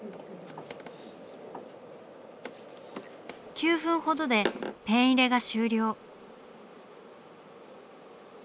９分ほどでペン入れが終了。